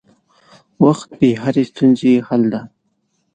وخت د هرې ستونزې حل دی.